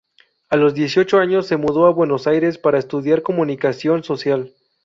A los dieciocho años se mudó a Buenos Aires para estudiar Comunicación Social.